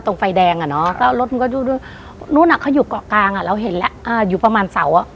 ไฟแดงอ่ะเนอะแล้วรถมันก็ดูด้วยนู่นอ่ะเขาอยู่เกาะกลางอ่ะเราเห็นแล้วอ่าอยู่ประมาณเสาอ่ะ